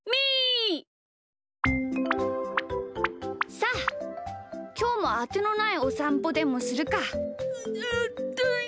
さあきょうもあてのないおさんぽでもするか。